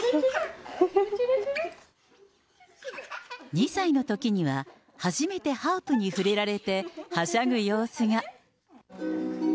２歳のときには、初めてハープに触れられてはしゃぐ様子が。